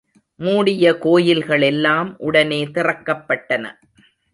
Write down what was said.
மூடிய கோயில்களெல்லாம் உடனே திறக்கப்பட்டன.